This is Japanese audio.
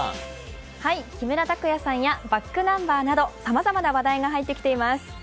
木村拓哉さんやｂａｃｋｎｕｍｂｅｒなどさまざまな話題が入ってきています。